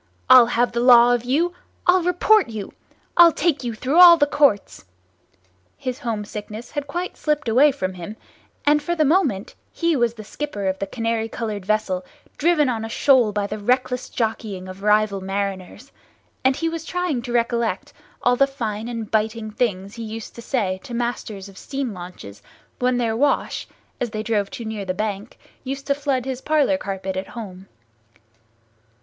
—I'll have the law of you! I'll report you! I'll take you through all the Courts!" His home sickness had quite slipped away from him, and for the moment he was the skipper of the canary coloured vessel driven on a shoal by the reckless jockeying of rival mariners, and he was trying to recollect all the fine and biting things he used to say to masters of steam launches when their wash, as they drove too near the bank, used to flood his parlour carpet at home.